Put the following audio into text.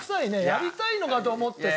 やりたいのかと思ってさ。